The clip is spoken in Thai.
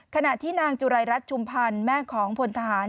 ขณะที่นางจุรายรัฐชุมพันธ์แม่ของพลทหาร